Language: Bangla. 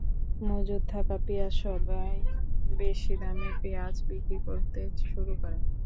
মজুত থাকা পেঁয়াজ সবাই বেশি দামে পেঁয়াজ বিক্রি করতে শুরু করে।